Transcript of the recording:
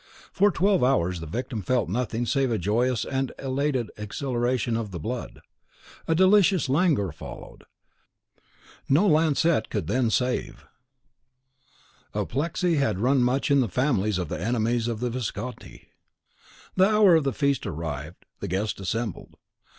For twelve hours the victim felt nothing save a joyous and elated exhilaration of the blood; a delicious languor followed, the sure forerunner of apoplexy. No lancet then could save! Apoplexy had run much in the families of the enemies of the Visconti! The hour of the feast arrived, the guests assembled.